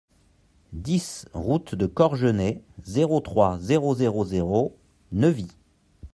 dix route de Corgenay, zéro trois, zéro zéro zéro, Neuvy